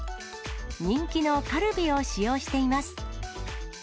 人気のカルビを使用しています。